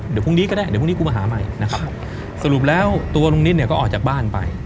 เดี๋ยวพรุ่งนี้ก็ได้เดี๋ยวพรุ่งนี้กูมาหาใหม่นะครับสรุปแล้วตัวลุงนิดเนี่ยก็ออกจากบ้านไป